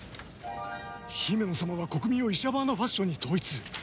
ヒメノ様は国民をイシャバーナファッションに統一。